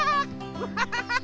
アハハハハ！